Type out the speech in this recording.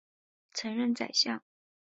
曾任宰相。